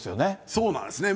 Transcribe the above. そうなんですね。